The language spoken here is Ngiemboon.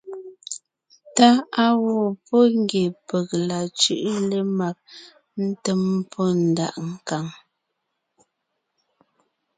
Táʼ á wɔ́ pɔ́ ngie peg la cʉ́ʼʉ lemag ńtém pɔ́ ndaʼ nkàŋ.